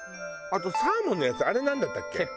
あとサーモンのやつあれなんだったっけ？